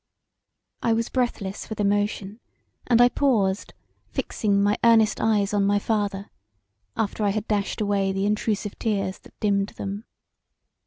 I was breathless with emotion, and I paused fixing my earnest eyes on my father, after I had dashed away the intrusive tears that dimmed them.